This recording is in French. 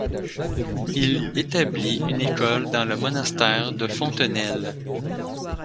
Il établit une école dans le monastère de Fontenelle.